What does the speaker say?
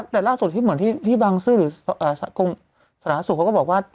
แต่ล่าส่วนที่บางศื้อหรือสละสูงเขาก็บอกว่า